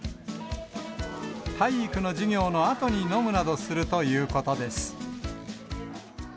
体育の授業のあとに飲むなどするということです。